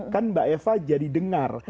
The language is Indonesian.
kan mbak eva jadi dengar